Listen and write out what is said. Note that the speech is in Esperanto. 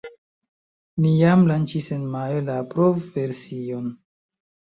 Ni jam lanĉis en majo la provversion.